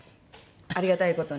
ありがたい事に。